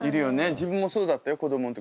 自分もそうだったよ子どもん時。